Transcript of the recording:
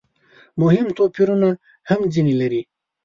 مهم توپیرونه هم ځنې لري.